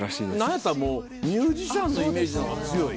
なんやったらもうミュージシャンのイメージの方が強い。